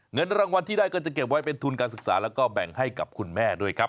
เงินรางวัลที่ได้ก็จะเก็บไว้เป็นทุนการศึกษาแล้วก็แบ่งให้กับคุณแม่ด้วยครับ